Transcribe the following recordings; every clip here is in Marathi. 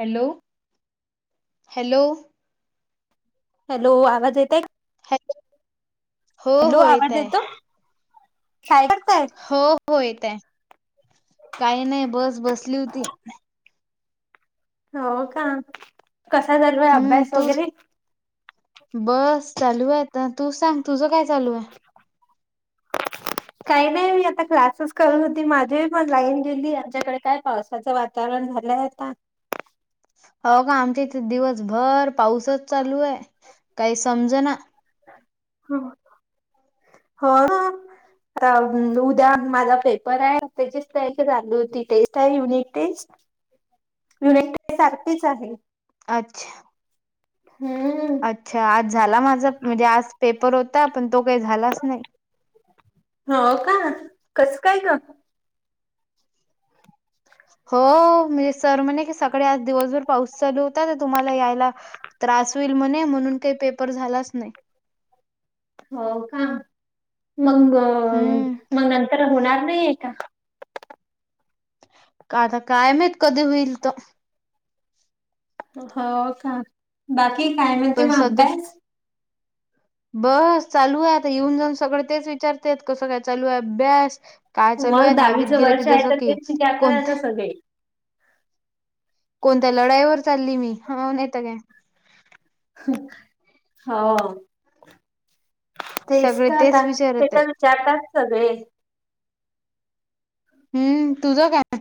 Hello, hello. हॅलो आवाज येतय? हो हॅलो हो आवाज येतय. येतो काय करताय हो हो येतय. काही नाही बस बसली होती. हो का, कसा चालूय हम्म अभ्यास तू वगैरे? बस चालू आहे आता. तू सांग तुझ काय चालू आहे? काही नाही मी आता क्लासेस करत होती. माझी पण लाईन गेली आच्याकडे काय पावसाचं वातावरण झालं. [unintelligible] ता. [inaudible] हो का. आमच्या इथे दिवसभर पाऊसच चालू आहे. काही समज ना. हा. हा. आ उद्या माझा पेपर आहे त्याचीच त चाल होती टेस्ट आहे युनिट टेस्ट. [inaudible] [unintelligible] सारखच आहे. अच्छा. हम्म अच्छा आज झाला माझा म्हणजे आज पेपर होता पण तो काही झालाच नाही. [inaudible] हो का, कस काय ग? हो मी. सर म्हणे सगळे आज दिवसभर पाऊस चालू होता तर तुम्हाला यायला त्रास होईल म्हणे म्हणून काय पेपर झालाच नाही. हो का, मग हम्म म नंतर होणार नाहीय का? आता काय माहित कधी होईल तो. हो का बाकी काय म्हणते पण मग सध्या अभ्यास? बस चालू आहे आता येऊन जाऊन सगळं तेच विचारते कसं काय चालू आहे अभ्यास. काय चालू आहे मग दहावीत दहावीचं गेले की वर्ष आहे जसं तर की तेच विचारतात आता कोणते. सगळे. कोणत्या लढाईवर चालली ह नाही ते काय. हा. तेच सगळे का आता विचारत आहेत पेपर विचारतात सगळे. हम्म, तुझं काय?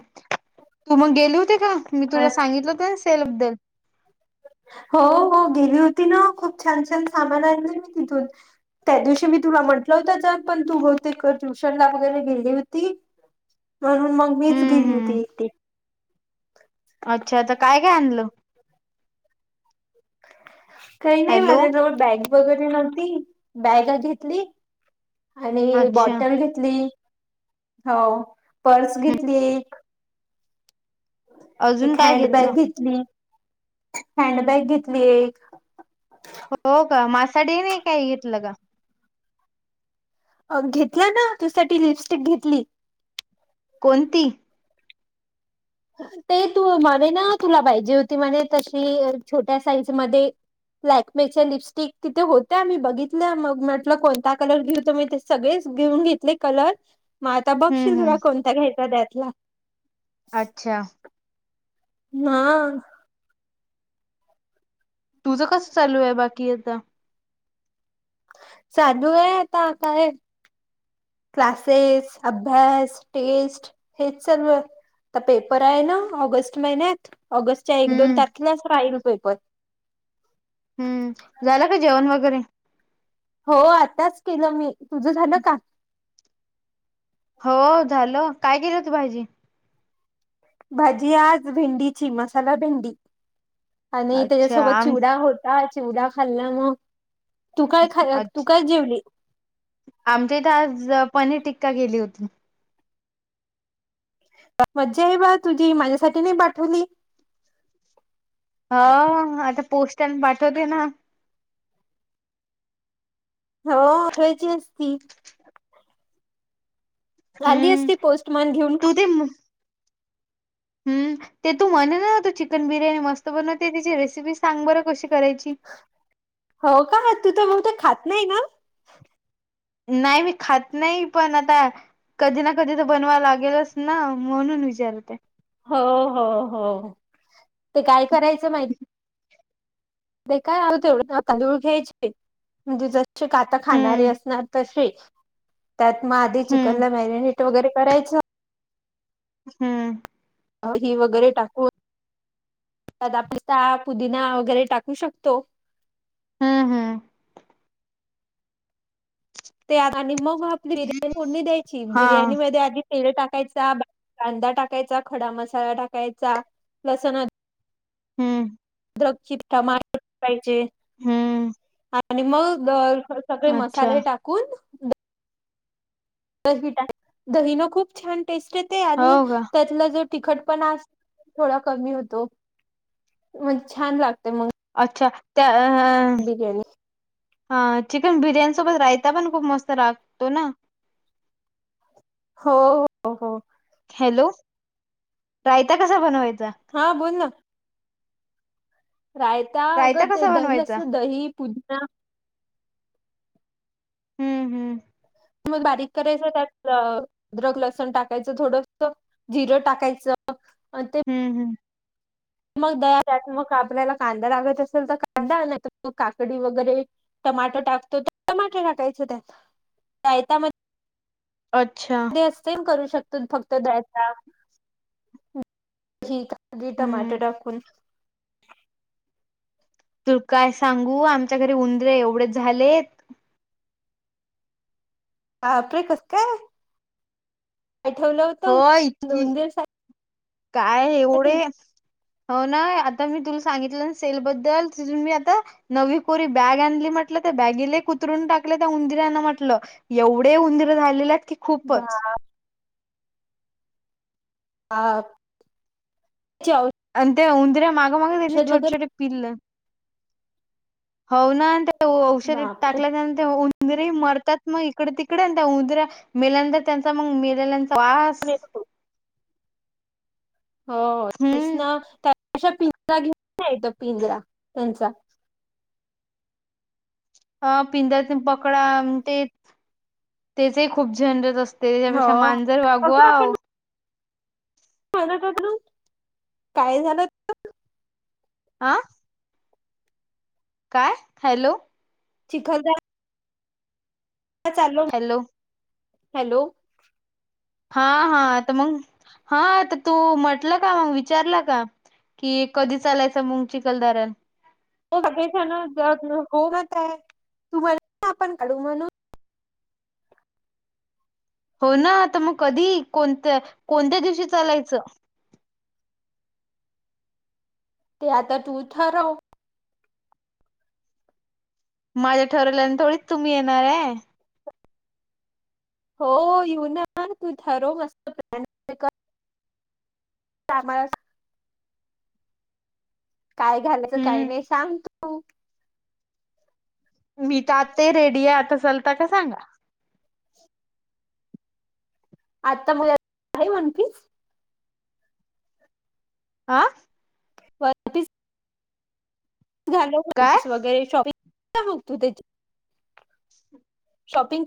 तू मग गेली होते का मी हा. तुला सांगितलं होतस. [unintelligible] हो हो गेली होती ना खूप छान छान सामान आणले मी तिथून. त्या दिवशी मी तुला म्हटलं होत जा पण तू ग होते कर ट्युशन ला वगैरे गेली होती. [inaudible] म्हणून मग मीच हम्म गेली हम्म होती एकटी. अच्छा काय काय आणलं? काही नाही हॅलो माझ्याजवळ बॅग वगैरे नव्हती बॅग घेतली आणि अच्छा बॉटल घेतली. हो, पर्स घेतली एक. अजून एक काय घेतलं हँडबॅग घेतली. हॅडबॅग घेतली एक. हो का माझ्यासाठी नाही काय घेतलं ग? घेतला ना तुझ्यासाठी लिपस्टिक घेतली. कोणती ते तु म्हणे ना तुला पाहिजे होती म्हणे तशी छोट्या साईज मध्ये. लॅकमेचे लिपस्टिक तिथे होत्या मी बघितल्या मग म्हटलं कोणता कलर घेऊ तो मी ते सगळेच घेऊन घेतले कलर म आता बघशील हम्म तुला हम्म कोणता घ्यायचा त्यातला? अच्छा. ना. तुझं कस चालूय बाकी आता? चालूय आता काय क्लासेस, अभ्यास, टेस्ट हेच सर्व ता पेपर हाय ना ऑगस्ट महिन्यात ऑगस्टच्या एक दोन हम्म तारखेलाच राहील पेपर. हम्म झालं का जेवण वगरे? हो आताचं केलं मी तुझ झालं का? हो झालं काय केली होती भाजी? भाजी आज भेंडीची मसाला भेंडी आणि अच्छा तेच्यासोबत आम चिवडा होता, चिवडा खाल्ला म तू काय ख अच्छ तू काय जेवली? आमच्या इथे आज पनीर टिक्का केली होती. मज्जा आहे बा तुझी माझ्यासाठी नाही पाठवली? ह ह आता पोस्टाने पाठवते ना. हो अ ठे झाली हम्म असती पोस्टमॅन घेऊन हम् ते तू म्हणे ना चिकन बिर्यानी मस्त बनवते तेची रेसिपीस सांग बरं कशी करायची? हो का तू तर म खात नाही ना? नाइ मी खात नाइ पण आता कधी ना कधी त बनवा लागेलच ना म्हणून विचारते हो हो हो ते काय करायचं माहि ते काय [unintelligible] तांदूळ घ्यायचे, म्हणजे जसे का‌ता हम्म खाणारे असणार तशे त्यात म आधी चिकन हम्म ला मॅरिनेट वगरे करायचं हम्म. अं दही वगरे टाकून त्यात आपली ताक, पुदिना वगरे टाकू शकतो? हम्म हम्म. त्यात आणि म आपली बिर्याणी फोडणी द्यायची, हा बिर्याणी मध्ये आधी तेल टाकायचा, [unintelligible] कांदा टाकायचा, खडा मसाला टाकायचा, लसूण हम्म. अद्रक [unintelligible] टमाटर पाहिजे. हम्म. आणि मग सगळे अच्छा मसाले टाकून दही [unintelligible] दहीन खूप छान टेस्ट येत आणि हो का त्यातला जो तिखट पण आस थोडा कमी होतो, म्हणजे छान लागते म अच्छा त्या अ हा चिकन बिर्याणी सोबत रायता पण खूप मस्त लागतो ना. हो [unintelligible] हो. हॅलो रायता कसा बनवाय हा बोल ना. रायता अगं ते कसा दही बनवायचा? असं दही पुदना हम्म हम्म. म बारीक करायचं त्यात अद्रक लसूण टाकायचं थोडस जिरं टाकायचं हम्म हम्म. म दयाला म आपल्या ला कांदा लागत असेल तर कांदा नाय तर काकडी वगरे टोमॅटो टाकतो त्यात टमाट टाकायच त्यात रायता मध्ये अच्छा डीएसपीन करू शकतो फक्त द्यायचा ठीक हाय. आधी टमाट हम्म. टाकून तू काय सांगू आमच्या घरी उंदर एवढे झालेत. बापरे कस काय आठवलं हो होतं. इतकी दोन दिसांनी काय एवढे हो ना आता मी तुल सां सागितलनसेल चू मी आता नवीन कोरी बॅग आणली म्हटलं त्या बॅगला कुतरून टाक. पहिलं त्या उंदिरान म्हटलं. एवढे उंदीर झालेले की खूपच बाप आ चेव ते उंदरा माग माग त्यांची छोटे छोटे पिल हावना ते औषध बापरे टाकल्याच्या वून उंद्रे मरतात मग इकडे तिकडे उंदऱ्या मेल्या त्यांच्या मग मेल्याचा वास. ह तेच हम्म ना त्या अशा [unintelligible] पिंजरा त्यांचा हा पिंजानी पकडा तेच तेचही खूप झंझट अस हो तेज्यापेक्षा मांजर वागवाव पर ककनव काय झालं गं आ काय हॅलो? चिखल जा. आत चालो हॅलो हॅलो. हा हा त मंग हा तू तू म्हटलं का मग विचारलं का? की कधी चालायचं मग चिखलदारन हो सग हो मत आहे तू म्हण आपण काढू म्हणून हो ना आता मग कधी कोणत्य कोणत्या दिशी चालायचं. ते आता तू थरव. माझ्या ठरवल्यानी थोडीच तुम्ही येणाराय. हो येऊना तू ठरव मस्त प्लॅ न बी क कमालस काय घालायचं काय हम्म नाय सांग तू मी त्यात रेडी आता चालता का सांगा. आता मुला लय मन तीस आ वर तीस तु घालावं वन काय पीस वगैरे शॉपिंग फी काय बगतो त्याची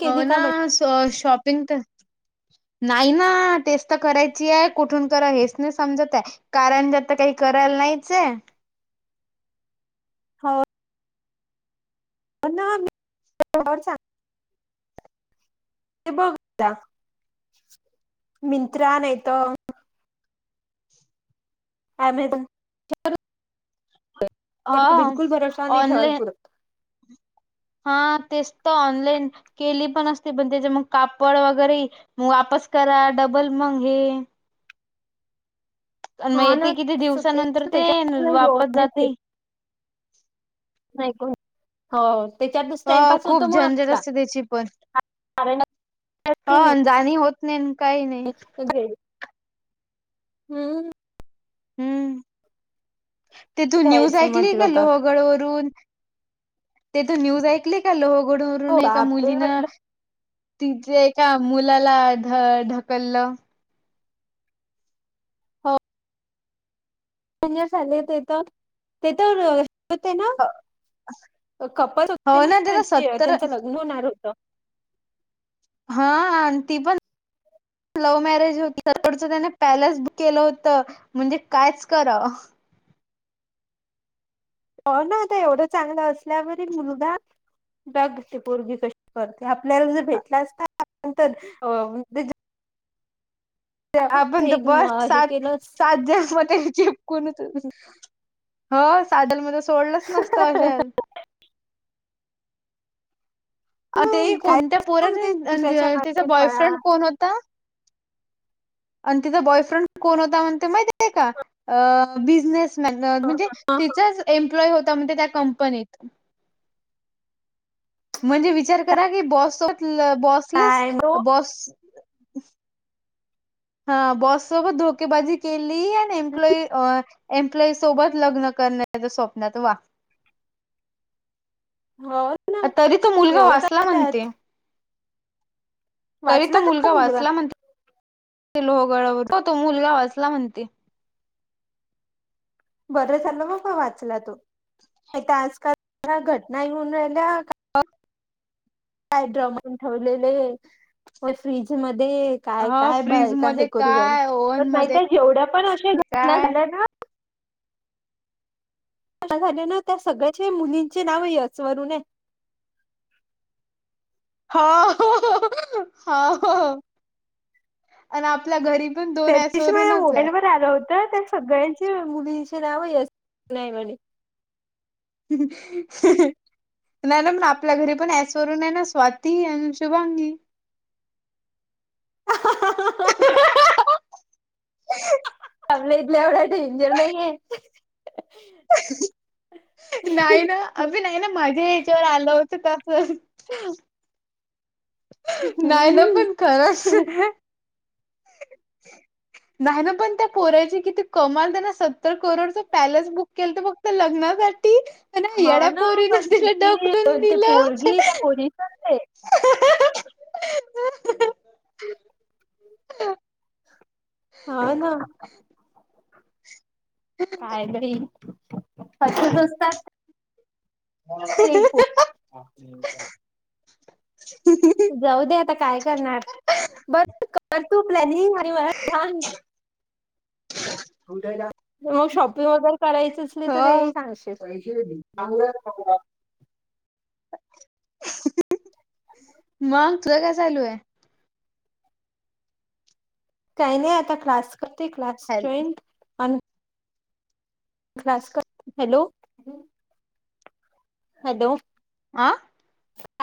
हो ना सो शॉपिंग तन नाही ना तेच तर करायचाय कुठून करावं हेच नाही. समजत हाय कारण जत काही करायला नाहीच हे. थो. आणा मी तोड वर सांग. ते बघ मिंत्रा, मींत्रा नाही तर एमेझॉन तर हा बिलकुल भरोसा नाही ठेवाल ऑनलाईन पुूरत हा तेच तर ऑनलाईन केली पण असते पण त्याच्या मग कापड वगैरे वाप [unintelligible] करा डबल मंग हे. अन मग हा ना येते किती तेच दिवसानंतर तेच त्याच् [unintelligible] ते वापस जाते नाही कोण? हो त्याच्यतच अ टाइमपास होतो खूप मग झंझट आपला असते त्याची पण अ जाणी होत नाही अन काही नाही हम्म. हम्म ते तू न्यूज घ्यायचं ऐकली म्हटलं ग तर लोहगड वरून ते तू न्यूज ऐकली का लोहगडवरून हो एका बापरे म्हटलं मुलीनं तिथे एका मुलाला ढ ढकललं. हो [unintelligible] झाले ते तर ते तर हो ते ना कपल हो होते ना त्याचा म्हणज सत्तर त्यांच लग्न होणार होत. हा आणि ती पण लव्ह मॅरेज होती तोडचं त्याने पॅलेस बुक केलं होत म्हणजे कायच करा हो ना आता एवढं चांगलं असल्यावरहि मुलगा बघ ती पोरगी कशी करते, आपल्याला ज भेटला असता ना नंतर अं [unintelligible] आपण तर बस म- हे सात केलं असतं. सात जन्म ते चिपकून हो सादल [unintelligible] सोडलच नसतं अशाल अ ते तू काय कोण त्या बोलते पोराचं? अन दुसऱ्याच्या त्याचा मागे पळा बॉयफ्रेंड कोण होता? आणि तिचा बॉयफ्रेंड कोण होता म्हणते माहिती आहे का? बिझनेस म्हणजे तिचाच एम्प्लॉय होता म्हणजे त्या कंपनीत म्हणजे विचार करा की बॉससोबत लं बॉसलेच काय मग? बॉस [unintelligible] हा बॉस सोबत धोकेबाजी केली, आणि एम्प्लॉई एम्प्लॉई सोबत लग्न. करण्याच्या स्वप्नात वा हो ना तरी तो मुलगा एवढं वाचला काय म्हणतेय. त्यात तरी तो मुलगा वाचला म्हणतेय. ते लोहगडावर हो तो मुलगा वाचला म्हणते. बरं झालं बा बा वाचला तो. नाहीतर आजकाल [unintelligible] घटना येऊन राहिल्या [inaudible] काय ड्रमन ठेवलेले व फ्रीज मध्ये दे काय ह काय फ्रीज बायका हे मध्ये करू काय राह्यला पण ओव्हन मध्ये माहिते? जेवढ्या पण अशा घटना काय झाल्या ना झाल्या ना त्या सगळ्याचे मुलींचे नाव यच वरून आहे. [inaudible] हा हा हा हो आणि आपल्या घरी पण दोन त्या दिशी माझ्या ऍसवरूनच आहे. मोबाईलवर आलं होत तर त्या सगळ्यांचे मुलींचे नावही [unintelligible] अस नाही म्हणे. हं हं नाही ना मण आपल्या घरी पण स वरून आहे ना स्वाती अन शुभांगी. [inaudible] [unintelligible] आपल्या इथल्या एवढा डेंजर नाहीये. [unintelligible] [unintelligible] नाही ना अभी नाही ना मजे याच्यावर आलं होतं तसं. नाही ना हम्म पण खरंच. [unintelligible] [unintelligible] नाही ना पण त्या पोराची किती कमाल त्याना सत्तर करोडच पॅलेस बुक केल तर ठ बग. [unintelligible] हो ना पण किती ढकलून ते दिलं. पोरगी का पोरिसन ते. हा ना. काय नाहीई कसतात. तेपू. जाऊ दे आता काय करणार बर कर. तू प्लाद ख म [inaudible] मग शॉपिंग वगैरे करायच असली तर हो सांगशील. पै बांग बां [inaudible] मग तुझ काय चालू आहे? काही नाही आता क्लास करते क्लास हॅल जॉईन. हॅलो. हॅलो. आह.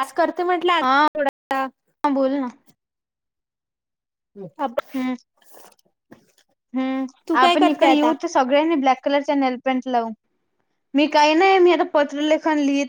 आज करते म्हटलं आ थोडासा. बोल ना अबे. हम् आपण इकडे येऊथ सगळ्यांनी ब्लॅक. कलर नेल पेंट लावू मी काही नाही मी आता पत्र लेखन लिहित.